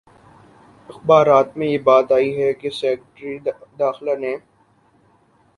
اخبارات میں یہ بات آئی ہے کہ سیکرٹری داخلہ نے